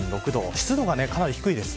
湿度がかなり低いです。